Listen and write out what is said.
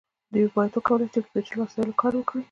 دوی باید وکولی شي په پیچلو وسایلو کار وکړي.